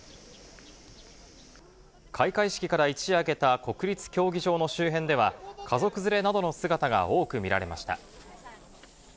開会式から一夜明けた国立競技場の周辺では、家族連れなどの姿が多く見られました。